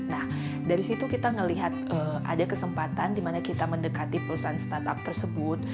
nah dari situ kita melihat ada kesempatan dimana kita mendekati perusahaan startup tersebut